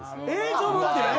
ちょっと待って！